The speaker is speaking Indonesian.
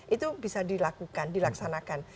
itu bisa dilakukan dilaksanakan